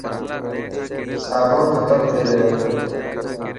صابڻ ختم تي گيو.